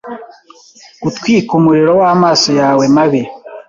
Gutwika umuriro wamaso yawe mabi